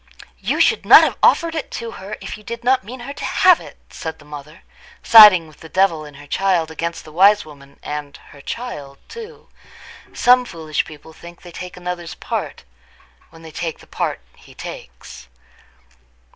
"You should not have offered it to her if you did not mean her to have it," said the mother, siding with the devil in her child against the wise woman and her child too. Some foolish people think they take another's part when they take the part he takes.